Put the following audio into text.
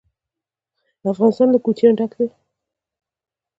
افغانستان له کوچیان ډک دی.